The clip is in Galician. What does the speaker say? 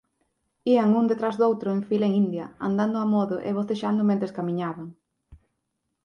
Ían un detrás doutro en fila india, andando amodo e bocexando mentres camiñaban.